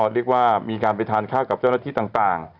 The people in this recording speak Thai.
เรียกว่ามีการไปทานข้าวกับเจ้าหน้าที่ต่าง